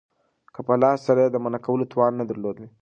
که په لاس سره ئې د منعه کولو توان نه درلودي